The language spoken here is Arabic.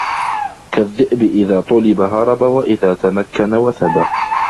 كالذئب: إذا طلب هرب وإذا تمكن وثب